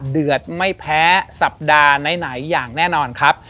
เดือดไม่แพ้สัปดาห์ไหนอย่างแน่นอนครับ